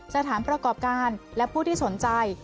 สถานประกอบการและผู้ที่สนใจ